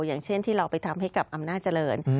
อย่างเช่นที่เราไปทำให้กับอำนาจเจริญ